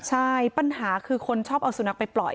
ใช่ปัญหาคือคนชอบเอาสุนัขไปปล่อย